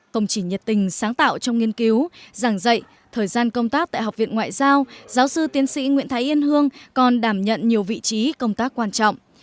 công trình nhiệt tình sáng tạo trong nghiên cứu giảng dạy thời gian công tác tại học viện ngoại giao giáo sư tiến sĩ nguyễn thái yên hương còn đảm nhận nhiều vị trí công tác quan trọng